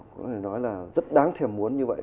có thể nói là rất đáng thèm muốn như vậy